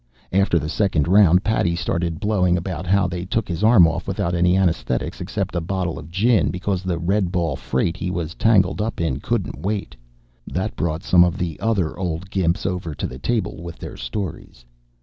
After the second round, Paddy started blowing about how they took his arm off without any anesthetics except a bottle of gin because the red ball freight he was tangled up in couldn't wait. That brought some of the other old gimps over to the table with their stories.